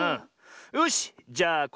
よしじゃあ